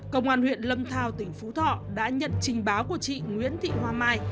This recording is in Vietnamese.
công an huyện lâm thào tỉnh phú thọ đã nhận trình báo của chị nguyễn thị hòa mai